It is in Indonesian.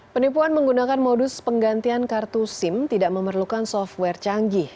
penipuan menggunakan modus penggantian kartu sim tidak memerlukan software canggih